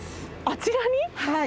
あちらに？